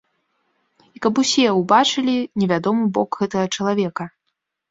І каб усе ўбачылі невядомы бок гэтага чалавека.